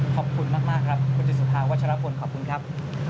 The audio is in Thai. หวังผมช่ำมาครับนะครับ